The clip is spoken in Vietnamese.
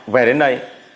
về đến đây